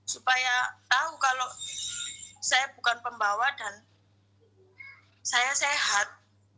supaya tahu kalau saya bukan pembawa dan saya sehat